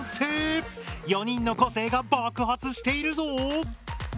４人の個性が爆発しているぞ！